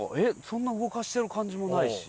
そんな動かしてる感じもないし。